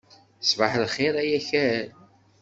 Ṣbaḥ lxir ay akal.